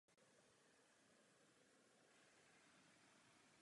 Odchov štěňat není jednoduchý.